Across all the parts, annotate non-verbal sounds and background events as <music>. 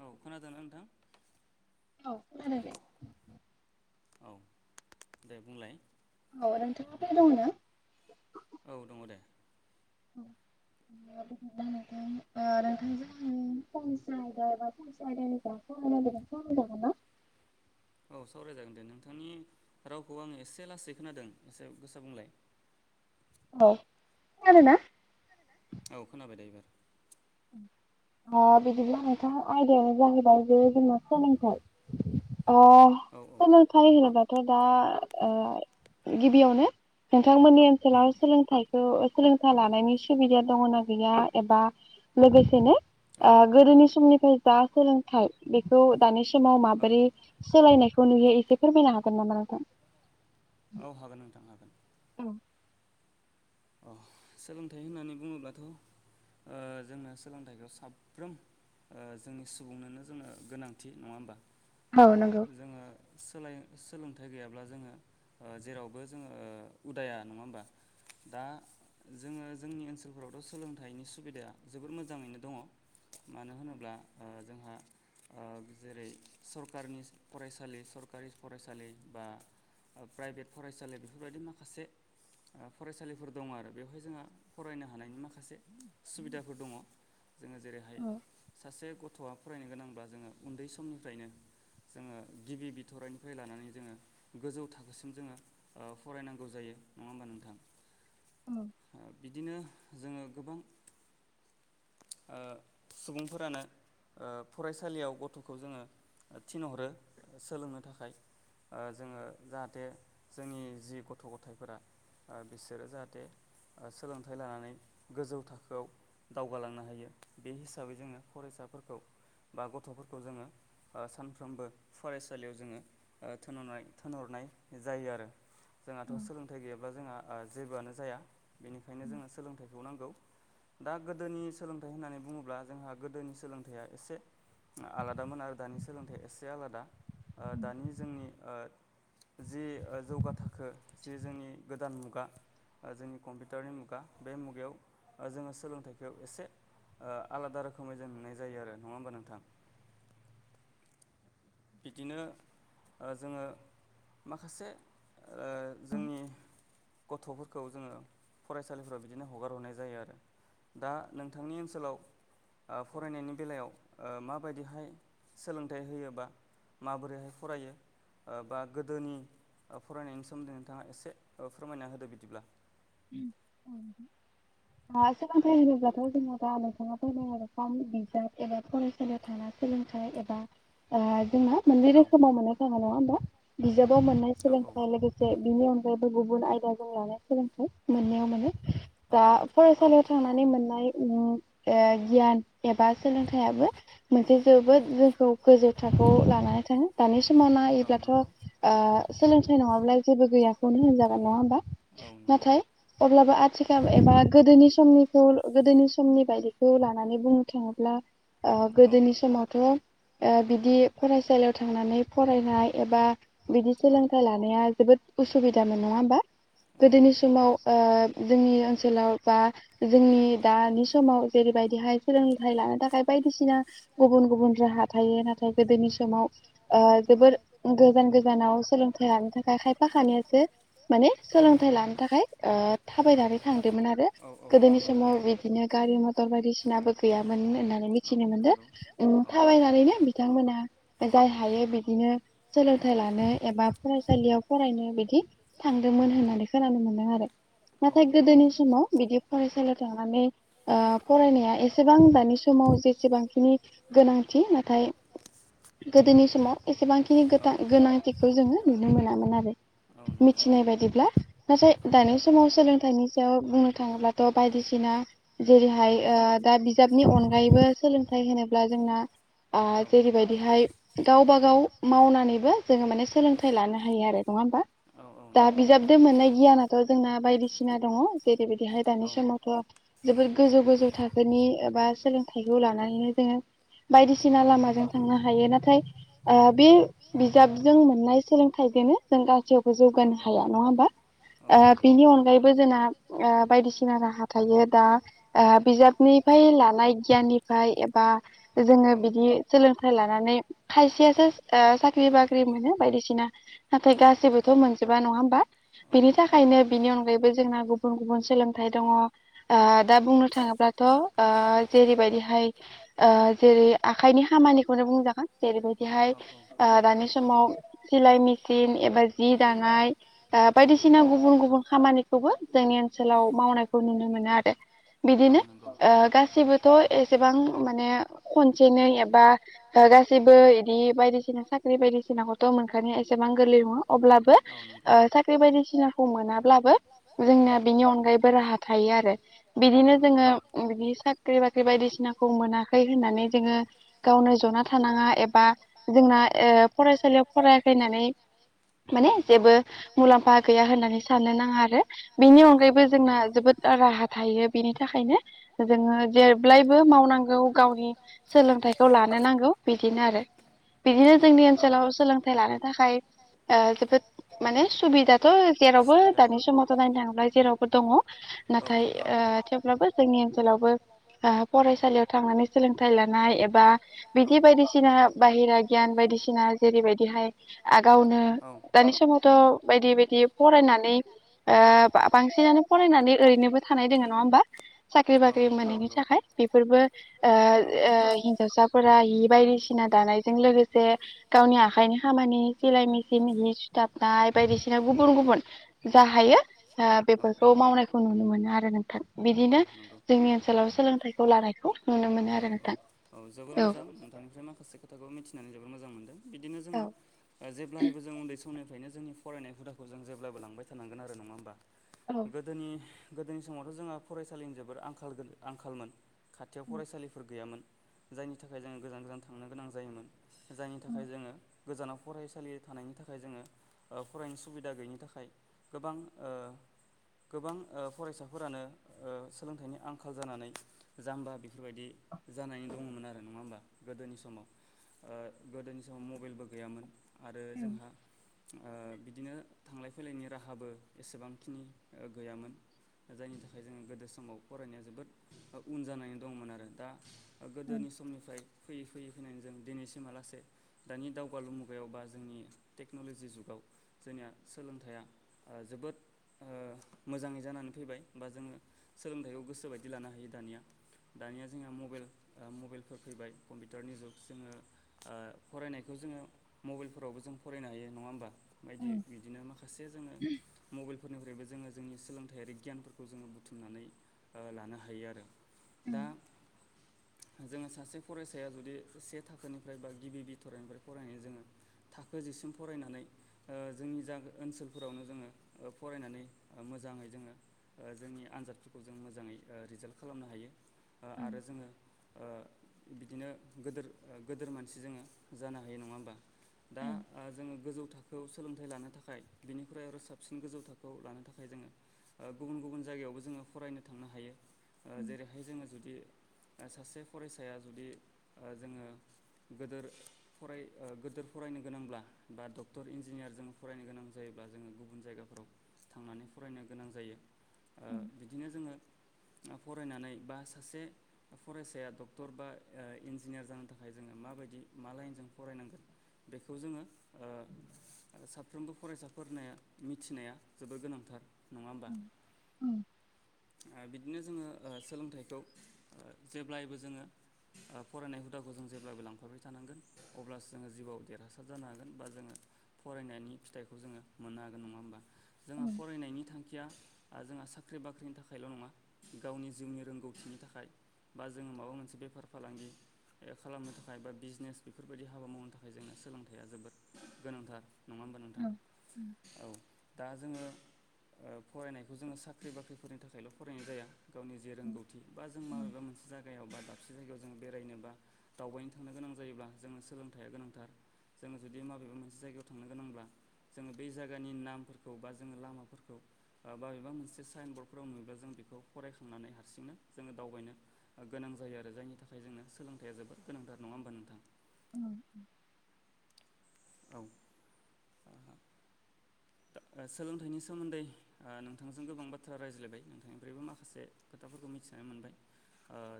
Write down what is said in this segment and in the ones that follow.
औ खोनादों नोंथां औ खोनादों दे औ दे बुंलाय औ नोंथाङाब फ्रि दङो ना औ दङ दे औ <unintelligible> ओ नोंथांजों आङो फंनैसो आयदा बा फंनैसो आयदानि सायाव सावराय <unintelligible> मोन ना <inaudible> औ सावरायजागोन दे नोंथांनि रावखौ आङो एसे लासै खोनादों एसे गोसा बुंलाय <inaudible> औ खोनादों ना? औ खोनाबाय दे बुं उम अ बिदिब्ला नोंथां आयदायानो जाहैबाय जे जोंना सोलोंथाय अ सोलोंथाय होनोब्लाथ' दा ओ गिबियावनो नोंथांमोननि ओनसोलाव सोलोंथाइखौ सोलोंथाइ लानायनि सुबिदा दङना गैया एबा लोगोसेनो ओ गोदोनि समनिफ्राय जा सोलोंथाइ बेखौ दानि समाव माबोरै सोलायनायखौ नुयो एसे फोरमायनो हागोन नामा नोंथां? औ हागोन नोंथां हागोन अ सोलोंथाइ होननानै बुङोब्लाथ ओ जोंनो सोलोंथाइखौ साफ्रोम ओ जोंनि सुबुंनोनो जोङो गोनांथि नङाहोमबा अ जोङो सोलाय सोलोंथाइ गैयाब्ला जोङो ओ जेरावबो जोङो ओ उदाया नङा होमबा दा जोङो जोंनि ओनसोलफोरावथ सोलोंथाइनि सुबिदाया जोबोर मोजाङैनो दङ मानो होनोब्ला ओ जोंहा ओ जेरै सरकारनि फरायसालि सरकारि फरायसालि बा प्राइभेट फरायसालि बेफोरबायदि माखासे ओ फरायसालिफोर दङ आरो बेवहाय जोंहा फरायनो हानायनि माखासे सुबिदाफोर दङ जोङो जेरैहाय सासे गथआ फरायनो गोनांब्ला जोङो उन्दै समनिफ्रायनो जोङो गिबि बिथरायनिफ्राय लानानै जोङो गोजौ थाखोसिम जोङो ओ फरायनांगौ जायो नङा होमबा नोंथां ओ बिदिनो जोङो गोबां ओ सुबुंफोरानो ओ फरायसालियाव गथखौ जोङो थिनहरो सोलोंनो थाखाय ओ जोङो जाहाथे जोंनि जि गथ' गथाइफोरा ओ बिसोरो जाहाथे ओ सोलोंथाइ लानानै गोजौ थाखोआव दावगालांनो हायो बे हिसाबै जोङो फरायसा फोरखौ बा गथफोरखौ जोङो ओ सानफ्रोमबो फरायसालियाव जोङो ओ थोनहरनाय थोनहरनाय जायो आरो जोंहाथ सोलोंथाइ गैयाब्ला जोंहा ओ जेबोआनो जाया बेनिखायनो जोंङो सोलोंथाइखौ नांगौ दा गोदोनि सोलोंथाइ होननानै बुङोब्ला जोंहा गोदोनि सोलोंथाइया एसे आलादामोन आरो दानि सोलोंथाइया एसे आलादा ओ दानि जोंनि ओ जि ओ जौगा थाखो जि जोंनि गोदान मु गा ओ जोंनि कम्पिउटारनि मुगा बे मुगायाव जोङो सोलोंथाइखौ एसे ओ आलादा रोखोमै जों नुनाय जायो आरो नङा होमबा नोंथां बिदिनो ओ जोङो माखासे ओ जोंनि गथ'फोरखौ जोङो फरायसालिफोराव बिदिनो हगारहरनाय जायो आरो दा नोंथांनि ओनसोलाव ओ फरायनायनि बेलायाव ओ माबादिहाय सोलोंथाइ होयोबा माबोरैहाय फरायो ओ बा गोदोनि फरायनायनि सोमोन्दै नोंथाङा एसे फोरमायना होदो बिदिब्ला ओम औ नोंथां आ सोलोंथाइ होनोब्लाथ' जोङो दा नोंथाङा फोरमायनाय बिजाब एबा फरायसालियाव थांना सोलोंथाइ एबा ओ जोंना मोननै रोखोमाव मोननो जाहा नङा होमबा बिजाबाव मोननाय सोलोंथाइ लोगोसे बिनि अनगायै गुबुन गुबुन आयदाजों लानाय सोलोंथाइ मोननैयाव मोनो दा फरायसालियाव थांनानै मोननाय ओम ओ गियान एबा सोलोंथाइयाबो मोनसे जोबोद गो खौ गोजौ थाखोआव लानानै थाङो दानि समाव नायोब्लाथ ओ सोलोंथाइ नङाब्ला जेबो गैयाखौनो होनजागोन नङा होमबा औ नंगौ अब्लाबो आथिखाल एबा गोदोनि समनिखौ गोदोनि समनि बायदिखौ लानानै बुंनो थाङो ब्ला ओ गोदोनि समावथ' ओ बिदि फरायसालियाव थांनानै फरायनाय एबा बिदि सोलोंथाइ लानाया जोबोद उसुबिदामोन नङा होमबा? औ नंगौ। जोंनि ओनसोलाव बा जोंनि दानि समाव जेरैबायदिहाय सोलोंथाइ लानो थाखाय बायदिसिना गुबुन गुबुन राहा थायो नाथाय गोदोनि समाव ओ जोबोर गोजान गोजानाव सोलों थाइ लानो थाखाय खायफा खानियासो माने सोलोंथाइ लानो थाखाय ओ थाबायनानै थांदोंमोन आरो गोदोनि समाव बिदिनो गारि मथर बायदिसिना बो गैयामोन होननानै मिथिनो मोनदों थाबायनानैनो बिथांमोना जाय हायो बिदिनो सोलोंथाइ लानो एबा फरायसालियाव फरायनो बिदि थांदोंमोन होननानै खोनानो मोनदों आरो। नाथाय गोदोनि समाव बिदि फरायसालियाव थांनानै ओ फरायनाया एसेबां दानि समाव जेसेबांखिनि गोनांथि नाथाय गोदोनि समाव एसेबांखिनि गोथा गोनांथिखौ जोङो नुनो मोना। मोन आरो मिथिनाय बायदिब्ला, नाथाय दानि समाव सोलोंथाइनि सायाव बुंनो थाङोब्लाथ' बायदिसिना जेरैहाय ओ दा बिजाब नि अनगायैबो सोलोंथाइ होनोब्ला जोंना आ जेरैबायदिहाय गावबा गाव मावनानैबो जोङो माने सोलोंथाइ लानो हायो आरो। नङा होमबा? दा बिजाबदो मोननाय गियानाथ' जोंना बायदिसिना दङ जे बे बादिहाय दानि समावथ' जोबोर गोजौ गोजौ थाखोनि एबा सोलोंथाइखौ लानानैनो जोङो बायदिसिना लामाजों थांनो हायो नाथाय आ बे बिजाबजों मोननाय सोलोंथाइजोनो जों गासैयावबो जौगानो हाया नङा होमबा? ओ बिनि अनगायैबो जोंना ओ बायदिसिना राहा थायो दा ओ बिजाबनिफाय लानाय गियाननिफाय एबा जोङो बिदि सोलोंथाइ लानानै खायसेयासो ओ साख्रि बाख्रि मोनो बायदिसिना नाथाय गाससिबोथ' मोनजोबा नङा होमबा? बेनि बिनि अनगायैबो जोंना गुबुन गुबुन सोलोंथाइ दङ ओ दा बुंनो थाङोब्लाथ' ओ जेरैबायदिहाय ओ जेरै आखाइनि खामा खामानिखौनो बुंजागोन जेरैबायदिहाय ओ दानि समाव सिलाइ मेचिन एबा जि दा नाय ओ बायदिसि ना गुबुन गुबुन खामानिखौबो जोंनि ओनसोलाव मावनायखौ नुनो मोनो आरो। आरो बिदिनो ओ गासैबोथ' एसेबां माने खनसेनै एबा ओ गा सिबो इदि बायदिसिना साख्रि बायदिसिनाखौथ' मोनखानाया एसेबां गोरलै नङा, अब्लाबो ओ साख्रि बायदिसिनाखौ मोनाब्लाबो जोंनिया बिनि अनगायैबो राहा थायो आरो। बिदिनो जोङो बिदि साख्रि बाख्रि बायदिसिनाखौ मोनाखै होननानै जोङो गावनो ज ना थाङा एबा जोंना ओ फरायसालियाव फरायाखैनानै माने जेबो मुलाम्फा गैया होननानै साननो नाङा आरो बिनि अनगायैबो जोंना जोबोद राहा थायो बिनि थाखायनो जोङो जेब्लायबो मावनांगौ गावनि सोलोंथाइखौ ला नो नांगौ बिदिनो आरो। बिदिनो जोंनि ओनसोलाव सोलोंथाइ लानो थाखाय ओ जोबोद माने बो जेरावबो दानि समावथ' नायनो थाङोब्ला जेरावबो दङ ना थाय ओ थेवब्लाबो जोंनि ओनसोलावबो ओ फरायसालियाव थांनानै सोलोंथाइ लानाय एबा बिदि बायदिसिना बाहेरा गियान बाय दिसिना जेरैबायदिहाय आ गावनो दानि समावथ' बायदि बायदि दि फरायनानै ओ बा-बांसिनानो फरायनानै ओरैनोबो थानाय दङ नङा होमबा? साख्रि बाख्रि मोनैनि थाखाय बेफोरबो ओ ओ हिनजावसा फोरा हि बायदिसिना दानायजों लोगोसे गावनि आखाइनि खामानि सिलाय मेसिन हि सु सिथाबनाय बायदिसिना गुबुन गुबुन जा हायो ओ बेफोरखौ मावनायखौ नुनो मो नो आरो नोंथां बिदिनो जोंनि ओनसोलाव सोलोंथाइखौ लानायखौ नुनो मोनो आरो नोंथां। जोबोर मोजां नोंथांनिफ्राय माखासे खोथाखौ मिथि जोबोर मोजां मोनदों बिदिनो जोङो ओ जेब्लायबो जों उन्दै समनिफ्रायनो जोंनि फरायनाय हुदाखौ जों जेब्लाबो लांबाय थानांगोन आरो नङा होमबा गोदोनि गोदोनि समावथ' जोंहा फरायसालिनि जोबोर आंखालगो आंखालमोन खाथियाव फरायसालिफोर गैयामोन। जायनि थाखाय जोङो गोजान गोजान थांनो गोनां जायोमोन जायनि थाखाय जोङो गोजानाव फरायसालि थानायनि थाखाय जोङो ओ फरायनो सुबिदा गैयिनि थाखाय गोबां ओ गोबां ओ फरायसाफोरानो ओ सोलोंथाइनि आंखाल जानानै जाम्बा बेफोरबायदि जानायनि दङमोन आरो नङा होमबा गोदोनि समाव ओ गोदोनि समाव मबाइलबो गैयामोन। आरो जोंहा ओ बिदिनो थांलाय फैलायनि राहाबो एसेबांखिनि गैयामोन। जायनि थाखाय जोङो गोदो समाव फरायनाया जोबोद उन जानानै दंमोन आरो दा गोदोनि समनिफ्राय फैयै फैयै फैनानै जों दिनैसिम आलासे दानि दावगालु मुगायाव बा जोंनि टेक्न'लजि जुगाव जोंनिया सोलोंथाइया जोबोद ओ मोजाङै जानानै फैबाय बा जोङो सोलोंथाइखौ गोसोबायदि लानो हायो दानिया। दानिया जोंहा मबाइल मबाइलफोर फैबाय कम्पिउटारनि जुग जोङो ओ फरायनायखौ जोङो मबाइलफोरावबो जों फरायनो हायो नङा होमबा? बायदि बिदिनो माखासे जोङो मबाइलफोरनिफ्रायबो जोङो जोंनि सोलों थायारि गियानफोरखौ जोङो बुथुमनानै ओ लानो हायो आरो दा जोङो सासे फरायसाया जुदि से थाखोनिफ्राय बा गिबि बिथ'राइनिफ्राय फरायनाय जोङो थाखो जिसिम फरायनानै ओ जोंनि जा ओनसोलफोरावनो जोङो फरायनानै मोजाङै जोङो ओ जोंनि आनजादफोरखौ जों मोजाङै रिजाल्ट खालामनो हायो ओ आरो जोङो ओ बिदिनो गोदोर गोदोर मानसि जोङो जानो हायो नङा होमबा? दा जोङो गोजौ थाख खौ सोलोंथाइ लानो थाखाय बिनिख्रुइ आरो साबसिन गोजौ थाखोआव लानो थाखाय जोङो ओ गुबुन गुबुन जायगायावबो जोङो फरायनो थांनो ओ हायो जेरैहाय जोङो जुदि सासे फरायसाया जुदि जोङो गोदोर फराय ओ गोदोर फरायनो गोनांब्ला बा डक्टर इन्जिनियार जों फरायनो गोनां जायोब्ला जोङो गुबुन जायगाफोराव थांनानै फरायनो गोनां जायो ओ बिदिनो जोङो फरायनानै बा सासे फरायसाया डक्टर बा ओ इन्जिनियार जानो थाखाय जोङो माबायद बायदि मा लाइनजों फरायनांगोन? बेखौ जोङो ओ साफ्रोमबो फरायसाफोरनि मिथिनाया जोबोर गोनांथार। उम। ओ बिदिनो जोङो ओ सोलोंथाइखौ जेब्लायबो जोङो फरायनाय हुदाखौ जों जेब्लाबो लांफाबाय थानांगोन अब्लासो जोङो जिउआव देरहासार जानो हागोन बा जोङो फरायनायनि फिथाइखौ जोङो मोननो हागोन नङा होमबा जोंहा फरायनायनि दा जोंहा साख्रि बाख्रिनि थाखायल' नङा गावनि जिउनि रोंगौथिनि थाखाय बा जोङो माबा मोनसे बेफार फालांगि खालामनो थाखाय बा बिजनेस बेफोरबायदि हाबा मावनो थाखाय जोंनो सोलोंथाइया जोबोद गोनांथार नङा होमबा नोंथां औ दा जोङो ओ फरायनायखौ जोङो साख्रि बाख्रिफोरनि थाखायल' फरायनाय जाया। गावनि जे रोंगौथि बा जों माबेबा मोनसे जागायाव बादाव दाबसे जायगायाव जोङो बेरायनो बा दावबायनो थांनो गोनां जायोब्ला जोंनो सोलोंथाइया गोनांथार। जोङो जुदि माबेबा मोनसे जायगायाव थांनो गोनांब्ला जोङो बे जायगानि नामफोरखौ बा जोङो लामाफोरखौ बाबेबा मोनसे साइन बर्डफोराव नुयोब्ला जों बेखौ फरायखांनानै हारसिंनो जोङो दावबायनो गोनां जायो आरो जायनि थाखाय जोंनो सोलोंथाइया जोबोर गोनांथार नङा होमबा नोंथां? उम। औ। <inaudible> सोलोंथाइनि सोमोन्दै नोंथांजों गोबां बाथ्रा रायज्लायबाय नोंथांनिफ्रायबो माखासे खोथाफोरखौ मिथिनानै ना मोनबाय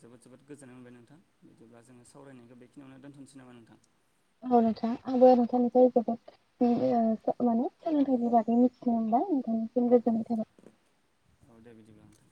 जोबोद जोबोद गोजोननाय मोनबाय नोंथां बिदिबब्ला जोङो सावरायनायखौ बेखिनियावनो दोनथ'सै नामा नोंथां। औ नोंथाङा आंबो नोंथांनिफ्राय जोबोद माने सोलोंथाइनि बागै मिथिनो हाबाय। नोंनिसिम गोजोननाय थाबाय औ दे बिदिब्ला नोंथां।